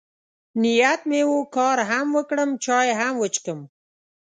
نیت مې و، کار هم وکړم، چای هم وڅښم.